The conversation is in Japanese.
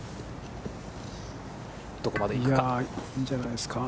いやあ、いいんじゃないですか。